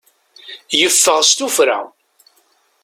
Yeffeɣ s tuffra.